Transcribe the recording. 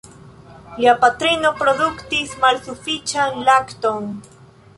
Lia patrino produktis malsufiĉan lakton.